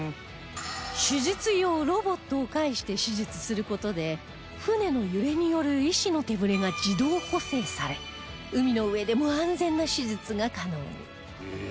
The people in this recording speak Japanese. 手術用ロボットを介して手術する事で船の揺れによる医師の手ブレが自動補正され海の上でも安全な手術が可能に